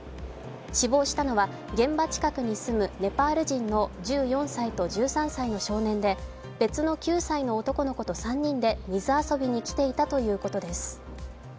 死亡しだきは現場近くに住むネパール人の１４歳と１３歳の少年で、別の９歳の男の子と３人で水遊びに来ていたということです。